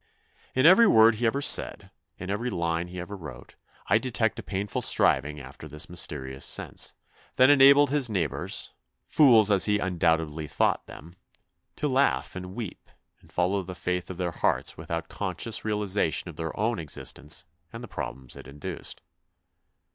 In every word he ever said, in every line he ever wrote, I detect a painful striving after this mysterious sense, that enabled his neighbours, fools as he un doubtedly thought them, to laugh and weep and follow the faith of their hearts without THE BIOGRAPHY OF A SUPERMAN 231 conscious realisation of their own existence and the problems it induced.